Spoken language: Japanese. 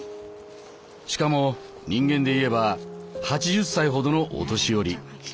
しかも人間で言えば８０歳ほどのお年寄り。